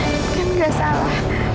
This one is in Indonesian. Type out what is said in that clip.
aksan kan gak salah